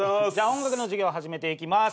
音楽の授業始めていきます。